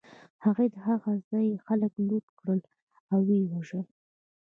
هغوی د هغه ځای خلک لوټ کړل او و یې وژل